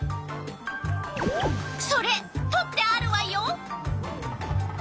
それとってあるわよ！